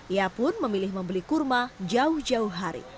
ia pun memilih membeli kurma jauh jauh hari